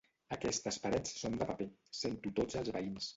Aquestes parets són de paper, sento tots els veïns.